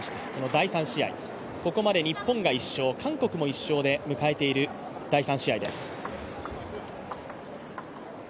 第３試合、ここまで日本が１勝、韓国も１勝で迎えている第３試合です。